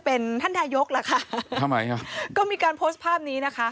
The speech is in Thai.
เป็นท่านนายกล่ะค่ะทำไมอ่ะก็มีการโพสต์ภาพนี้นะคะ